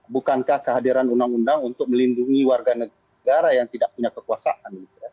bukankah kehadiran undang undang untuk melindungi warga negara yang tidak punya kekuasaan